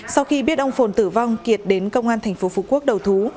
sau khi biết ông phồn tử vong kiệt đến công an tp phú quốc đầu thú